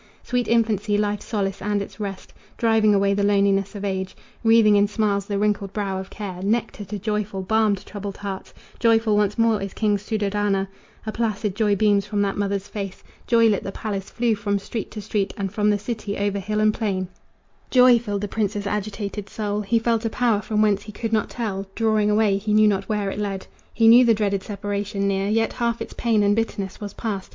Sweet infancy! life's solace and its rest, Driving away the loneliness of age, Wreathing in smiles the wrinkled brow of care, Nectar to joyful, balm to troubled hearts, Joyful once more is King Suddhodana; A placid joy beams from that mother's face; Joy lit the palace, flew from street to street, And from the city over hill and plain; Joy filled the prince's agitated soul He felt a power, from whence he could not tell, Drawing away, he knew not where it led. He knew the dreaded separation near, Yet half its pain and bitterness was passed.